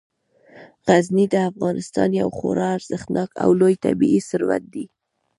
غزني د افغانستان یو خورا ارزښتناک او لوی طبعي ثروت دی.